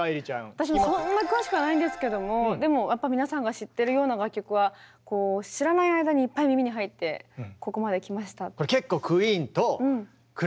私もそんな詳しくはないんですけどもでも皆さんが知ってるような楽曲は知らない間にいっぱい耳に入ってここまできました。